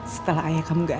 setelah ayah kamu ga ada